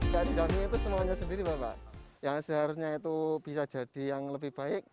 kami itu semuanya sendiri bapak yang seharusnya itu bisa jadi yang lebih baik